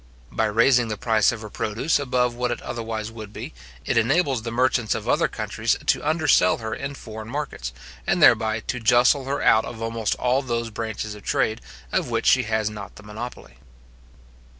By raising the price of her produce above what it otherwise would be, it enables the merchants of other countries to undersell her in foreign markets, and thereby to justle her out of almost all those branches of trade, of which she has not the monopoly.